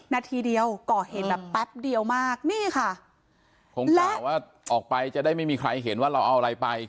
นาทีเดียวก่อเหตุแบบแป๊บเดียวมากนี่ค่ะคงกล่าวว่าออกไปจะได้ไม่มีใครเห็นว่าเราเอาอะไรไป